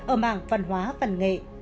ở mạng văn hóa văn nghệ